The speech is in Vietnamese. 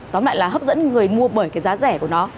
nó lại là hấp dẫn người mua bởi cái giá rẻ của nó